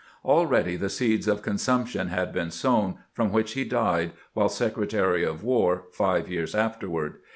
Already the seeds of consumption had been sown, from which he died while Secretary of "War, five years afterward.